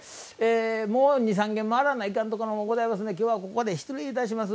２軒３軒回らないかんところがございますのできょうは、これで失礼いたします。